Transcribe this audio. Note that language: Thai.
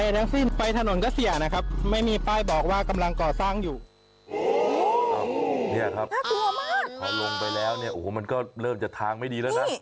อ้อลงไปแล้วมันก็เริ่มจะทางไม่ดีแล้วนะ